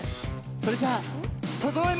それじゃあととのいました。